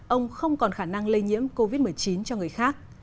ông không còn khả năng lây nhiễm covid một mươi chín cho người khác